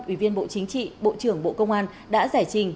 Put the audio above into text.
ủy viên bộ chính trị bộ trưởng bộ công an đã giải trình